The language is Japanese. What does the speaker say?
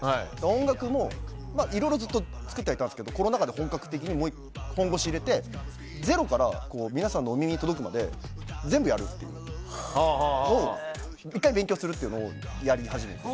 音楽もいろいろずっと作ってはいたんですけどコロナ禍で本格的に本腰入れてゼロから皆さんのお耳に届くまで全部やるっていうのを１回勉強するっていうのをやり始めて。